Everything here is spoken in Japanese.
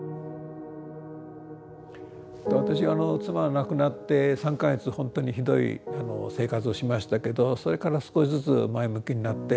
私妻が亡くなって３か月ほんとにひどい生活をしましたけどそれから少しずつ前向きになって。